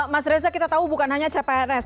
mas reza kita tahu bukan hanya cprs